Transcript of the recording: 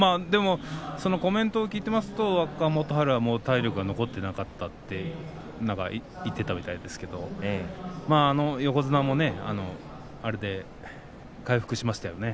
コメントを聞いていますと若元春はもう体力が残っていなかったと言っていたみたいですけれど横綱もあれで回復しましたよね